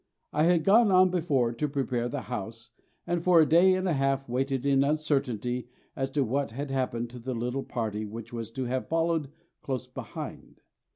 I had gone on before to prepare the house, and for a day and a half waited in uncertainty as to what had happened to the little party which was to have followed close behind.